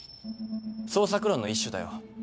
創作論の一種だよ。